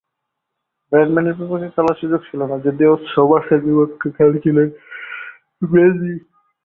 ব্র্যাডম্যানের বিপক্ষে খেলার সুযোগ ছিল না, যদিও সোবার্সের বিপক্ষে খেলেছেন বেদি।